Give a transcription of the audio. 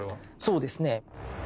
そうですね。